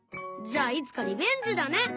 じゃあいつかリベンジだね！